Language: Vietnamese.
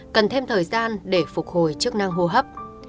cần thêm thời gian để phục hồi chức năng hô hấp